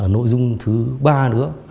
nội dung thứ ba nữa